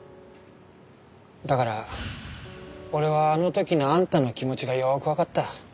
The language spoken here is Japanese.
だから俺はあの時のあんたの気持ちがよくわかった。